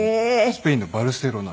スペインのバルセロナ。